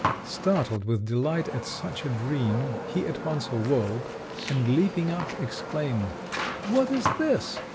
Startled with delight at such a dream, he at once awoke, and, leaping up, exclaimed, "What is this?